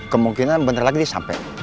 kemungkinan bentar lagi ini sampai